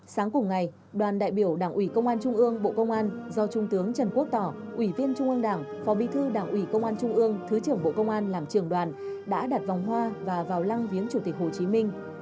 sáng cùng ngày đoàn đại biểu đảng ủy công an trung ương bộ công an do trung tướng trần quốc tỏ ủy viên trung ương đảng phó bí thư đảng ủy công an trung ương thứ trưởng bộ công an làm trường đoàn đã đặt vòng hoa và vào lăng viếng chủ tịch hồ chí minh